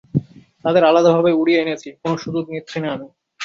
তাদের আলাদাভাবে উড়িয়ে এনেছি, কোনো সুযোগ নিচ্ছি না আমি।